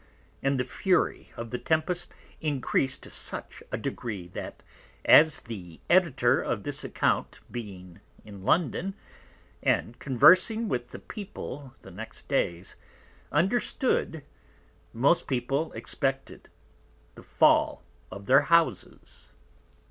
And the Fury of the Tempest encreased to such a Degree, that as the Editor of this Account being in London, and conversing with the People the next Days, understood, most People expected the Fall of their Houses.